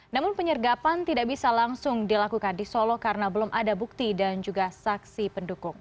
namun penyergapan tidak bisa langsung dilakukan di solo karena belum ada bukti dan juga saksi pendukung